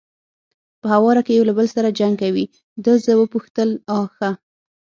په هواره کې یو له بل سره جنګ کوي، ده زه وپوښتل: آ ښه.